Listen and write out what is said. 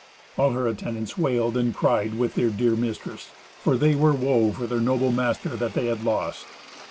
All her attendants wailed and cried with their dear mistress, for they were woe for their noble master that they had lost.